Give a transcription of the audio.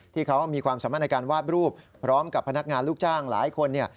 ที่เขามีความสามารถในการวาดรูปพร้อมกับพนักงานลูกจ้างหลายคนเนี่ย